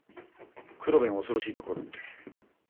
黒部の恐ろしいところだって。